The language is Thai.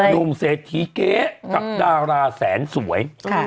นุ่มเศษฐีเกะกับดาราแสนสวย